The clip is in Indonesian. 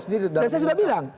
dan saya sudah bilang